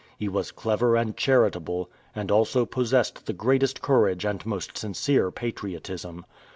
He was clever and charitable, and also possessed the greatest courage and most sincere patriotism.